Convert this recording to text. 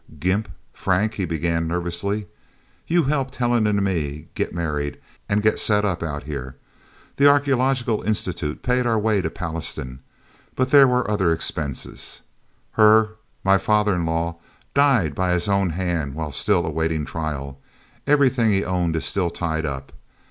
"Gimp... Frank..." he began nervously. "You helped Helen and me to get married and get set up out here. The Archeological Institute paid our way to Pallastown. But there were other expenses... Her my father in law, died by his own hand while still awaiting trial... Everything he owned is still tied up...